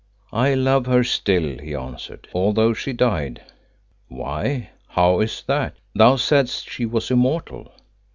"I love her still," he answered, "although she died." "Why, how is that? Thou saidst she was immortal."